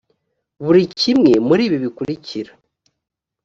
buri kimwe muri ibi bikurikira